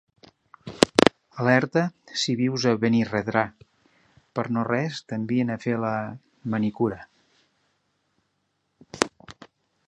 Alerta si vius a Benirredrà, per no-res t'envien a fer la... manicura.